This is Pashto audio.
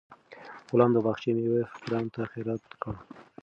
غلام د باغچې میوه فقیرانو ته خیرات کړه.